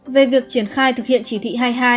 về việc triển khai thực hiện chỉ thị hai mươi hai